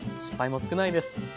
失敗も少ないです。